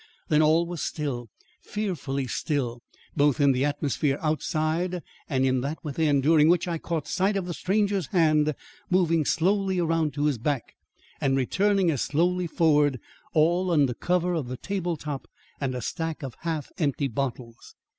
Then all was still, fearfully still, both in the atmosphere outside and in that within, during which I caught sight of the stranger's hand moving slowly around to his back and returning as slowly forward, all under cover of the table top and a stack of half empty bottles.